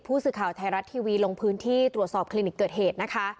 ผู้สื่อข่าวไทยรัฐทีวีลงพื้นที่ตรวจสอบคลินิกเกิดเหตุนะคะ